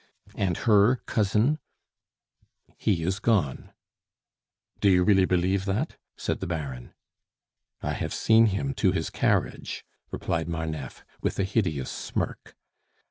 "And her cousin?" "He is gone." "Do you really believe that?" said the Baron. "I have seen him to his carriage," replied Marneffe, with a hideous smirk.